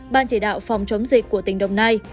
ban chỉ đạo phòng chống dịch của tỉnh đồng nai